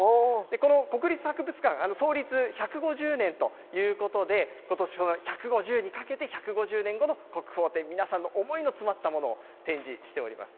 この国立博物館、創立１５０年ということで、ことし、１５０にかけて１５０年後の国宝展、皆さんの思いの詰まったものを展示しております。